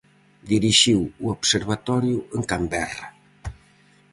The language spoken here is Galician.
Dirixiu o observatorio en Camberra.